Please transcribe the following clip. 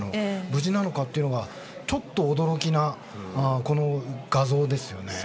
無事なのかというのがちょっと驚きな画像ですよね。